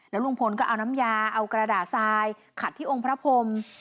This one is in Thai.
ลุงพลก็เอาน้ำยาเอากระดาษทรายขัดที่องค์พระพรม